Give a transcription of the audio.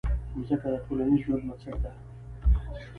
مځکه د ټولنیز ژوند بنسټ ده.